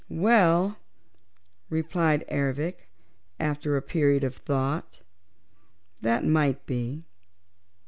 "Well," replied Ervic, after a period of thought, "that might be.